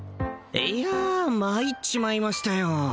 いやまいっちまいましたよ